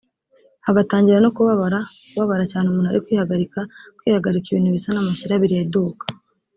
hagatangira no kubabaraKubabara cyane umuntu ari kwihagarikaKwihagarika ibintu bisa n’amashyira bireduka